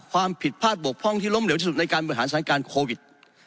ความผิดพลาดบกพร่องที่ล้มเหลวสุดในการบริหารสถานการณ์โควิด